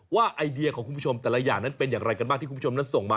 ไอเดียของคุณผู้ชมแต่ละอย่างนั้นเป็นอย่างไรกันบ้างที่คุณผู้ชมนั้นส่งมา